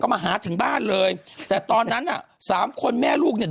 มาหาถึงบ้านเลยแต่ตอนนั้นอ่ะสามคนแม่ลูกเนี่ย